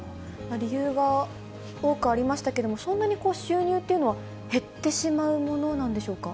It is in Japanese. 理由が多くありましたけれども、そんなに収入っていうのは減ってしまうものなんでしょうか。